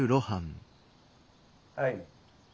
はい。